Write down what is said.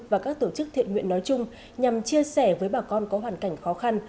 và các tổ chức thiện nguyện nói chung nhằm chia sẻ với bà con có hoàn cảnh khó khăn